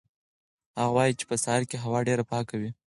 هغه وایي چې په سهار کې هوا ډېره پاکه وي.